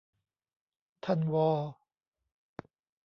ท่านวอ